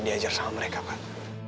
diajar sama mereka pak